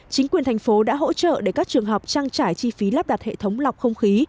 chính quyền thành phố đã hỗ trợ để các trường học trang trải chi phí lắp đặt hệ thống lọc không khí